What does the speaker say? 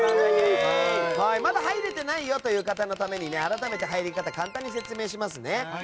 まだ入れていないよという方のために改めて、入り方を簡単に説明しますね。